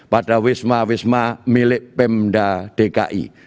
pada wisma wisma milik pemda dki